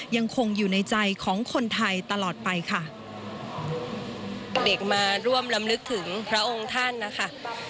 ยังคงอยู่ในใจของคนไทยตลอดไปค่ะเด็กมาร่วมลำลึกถึงพระองค์ท่านนะคะ